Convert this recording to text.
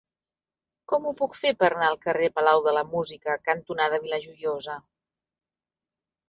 Com ho puc fer per anar al carrer Palau de la Música cantonada Vila Joiosa?